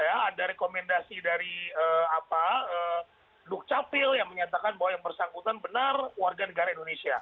ada rekomendasi dari dukcapil yang menyatakan bahwa yang bersangkutan benar warga negara indonesia